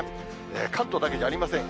関東だけじゃありません。